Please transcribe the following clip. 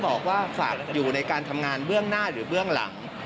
บอกว่าฝากอยู่ในการทำงานเบื้องหน้าหรือเบื้องหลัง